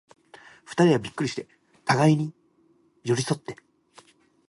二人はびっくりして、互に寄り添って、